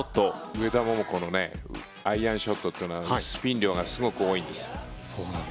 上田桃子のアイアンショットというのはスピン量がすごく多いんです。